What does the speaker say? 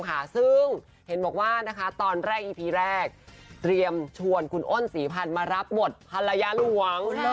คือโครงนี้แหละค่ะ